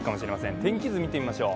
天気図見てみましょう。